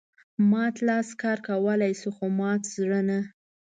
مات لاس کار کولای شي خو مات زړه نه.